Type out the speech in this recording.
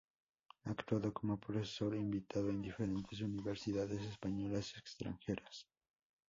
Ha actuado como profesor invitado en diferentes universidades españolas extranjeras.